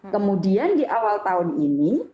kemudian di awal tahun ini